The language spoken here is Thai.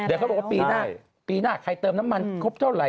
เดี๋ยวเขาบอกว่าปีหน้าปีหน้าใครเติมน้ำมันครบเท่าไห